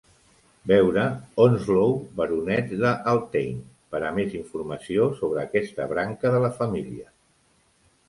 Veure Onslow baronets de Althain per a més informació sobre aquesta branca de la família.